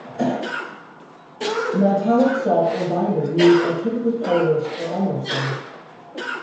The metallic salt or binder used are typically colourless or almost so.